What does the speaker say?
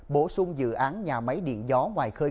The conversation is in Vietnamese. bổ sung dự án nhà máy điện gió ngoài khơi